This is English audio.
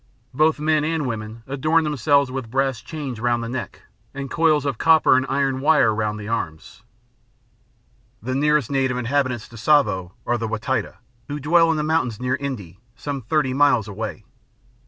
Both men and women adorn themselves with brass chains round the neck and coils of copper and iron wire round the arms. The nearest native inhabitants to Tsavo are the Wa Taita, who dwell in the mountains near N'dii, some thirty miles away.